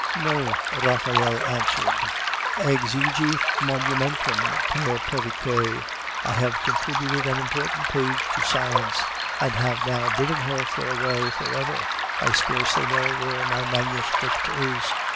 "No," Raphael answered. "Exegi monumemtum, pere Porriquet; I have contributed an important page to science, and have now bidden her farewell for ever. I scarcely know where my manuscript is."